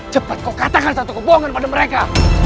cepat kau katakan satu kebohongan pada mereka